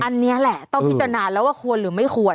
อันนี้แหละต้องพิจารณาแล้วว่าควรหรือไม่ควร